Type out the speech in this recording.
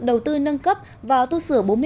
đầu tư nâng cấp vào thu sửa